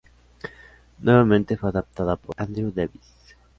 Nuevamente fue adaptada por Andrew Davies.